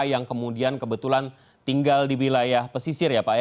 yang kemudian kebetulan tinggal di wilayah pesisir ya pak ya